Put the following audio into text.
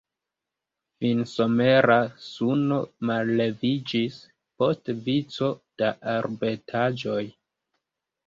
Finsomera suno malleviĝis post vico da arbetaĵoj.